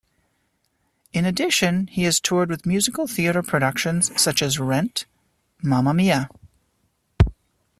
In addition he has toured with musical theater productions such as "Rent", "Mamma Mia!